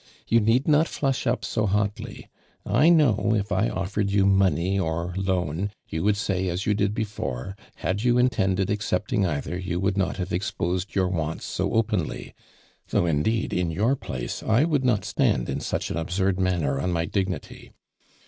You need not flush up so hotly ! I know if I offered you money or loan, you would say as you did before, had you intended accepting either, you would not have exposed your wants so openly, though, indeed, in your place I would not stand in such an absurd manner on my dig nity.